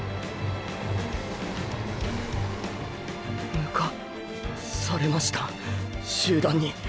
抜かされました集団に。